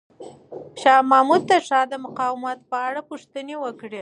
شاه محمود د ښار د مقاومت په اړه پوښتنې وکړې.